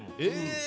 え。